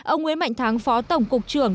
ông nguyễn mạnh thắng phó tổng cục trưởng